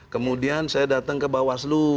kemudian saya datang ke bawaslu